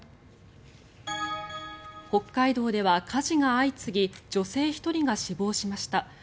北海道では火事が相次ぎ女性１人が死亡しました。